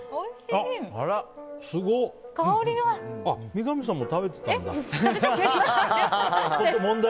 あ、三上さんも食べてたんだ。